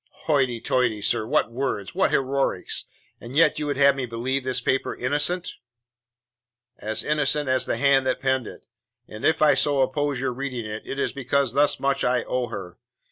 "Hoity toity, sir! What words! What heroics! And yet you would have me believe this paper innocent?" "As innocent as the hand that penned it, and if I so oppose your reading it, it is because thus much I owe her.